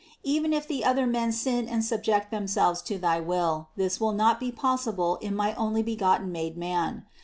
Even if the other men sin and subject themselves to thy will, this will not be possible in my Onlybegotten made man.